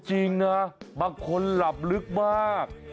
จริงนะบางคนหลับลึกมาก